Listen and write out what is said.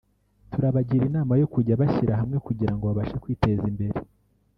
turabagira inama yo kujya bashyira hamwe kugira ngo babashe kwiteza imbere